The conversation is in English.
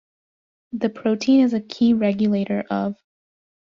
The protein is a key regulator of.